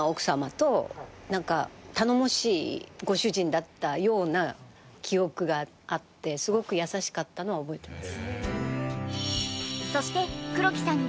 だったような記憶があってすごく優しかったのは覚えてます。